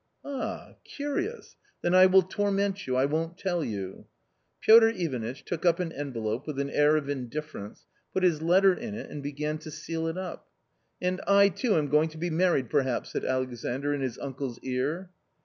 "Ah! curious? then I will torment you: I won't tell you." Piotr Ivanitch took up an envelope with an air of in difference, put his letter in it and began to seal it up. *J l " And I too am going to be married perhaps !" said ^Alexandr in his uncle's ear.